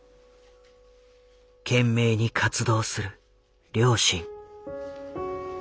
懸命に活動する両親。